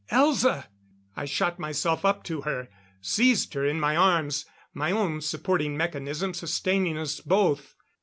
Elza! I shot myself up to her, seized her in my arms, my own supporting mechanism sustaining us both.